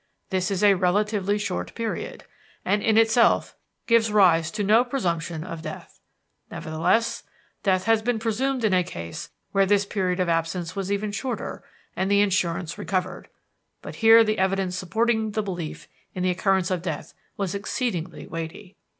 This is a relatively short period, and in itself gives rise to no presumption of death. Nevertheless, death has been presumed in a case where the period of absence was even shorter and the insurance recovered; but here the evidence supporting the belief in the occurrence of death was exceedingly weighty.